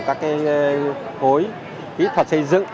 các cái khối kỹ thuật xây dựng